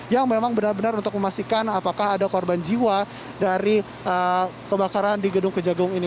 yang memang benar benar untuk memastikan apakah ada korban jiwa dari kebakaran di gedung kejagung ini